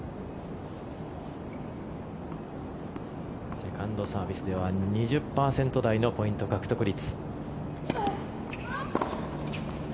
セカンドサービスでは２０％台のポイント獲得率。